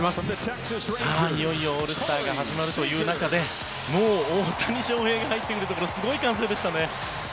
いよいよオールスターが始まるという中でもう大谷翔平が入ってくるところすごい歓声でしたね。